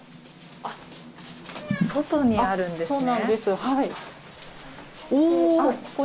外にあるんですね。